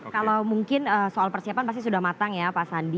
kalau mungkin soal persiapan pasti sudah matang ya pak sandi